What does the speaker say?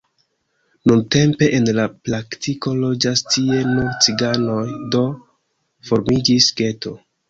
Nuntempe en la praktiko loĝas tie nur ciganoj, do formiĝis geto.